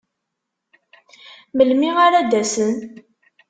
Melmi ara d-asen?